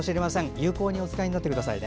有効にお使いになってくださいね。